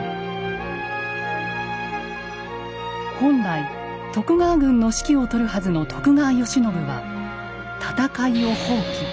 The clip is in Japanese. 本来徳川軍の指揮を執るはずの徳川慶喜は戦いを放棄。